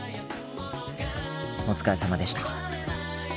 お疲れさまでした。